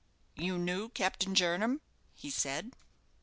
"You knew Captain Jernam?" he said.